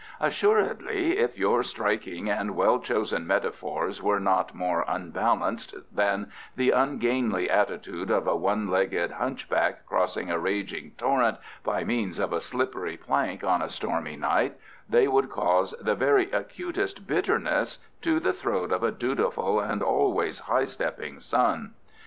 Assuredly, if your striking and well chosen metaphors were not more unbalanced than the ungainly attitude of a one legged hunchback crossing a raging torrent by means of a slippery plank on a stormy night, they would cause the very acutest bitterness to the throat of a dutiful and always high stepping son.